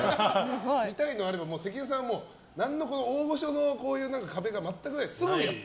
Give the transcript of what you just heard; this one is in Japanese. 見たいのあれば、関根さんは大御所の壁が全くない。